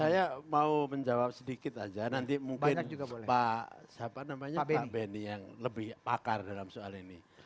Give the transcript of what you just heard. saya mau menjawab sedikit saja nanti mungkin pak benny yang lebih pakar dalam soal ini